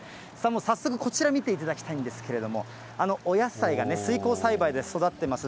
早速、こちら見ていただきたいんですけれども、お野菜がね、水耕栽培で育ってます。